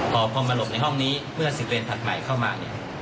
พอมาหลบในห้องนี้เมื่อสิทธิเวรผักใหม่เข้ามา